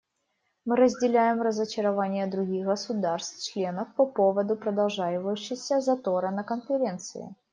Мы разделяем разочарование других государств-членов по поводу продолжающегося затора на Конференции.